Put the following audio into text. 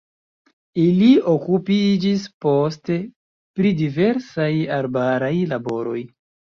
Ili okupiĝis poste pri diversaj arbaraj laboroj.